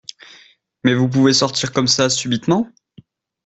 mais vous pouvez sortir comme ça, subitement ?